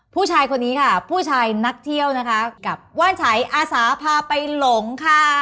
ผู้ชายคนนี้ค่ะผู้ชายนักเที่ยวนะคะกับว่านชัยอาสาพาไปหลงค่ะ